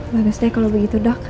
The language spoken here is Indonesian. bagus deh kalau begitu dok